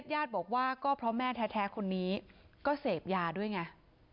ญาติบอกว่าก็เพราะแม่แท้คนนี้ก็เสพยาด้วยไง